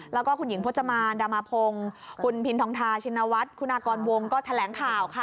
แล้วก็คุณหญิงพจมานดามาพงศ์คุณพินทองทาชินวัฒน์คุณากรวงก็แถลงข่าวค่ะ